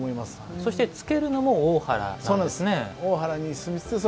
そして、漬けるのも大原なんですね。